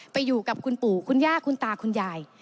ไปอยู่กับคุณปู่คุณย่าคุณตาคุณยาย